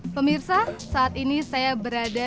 pemirsa saat ini saya berada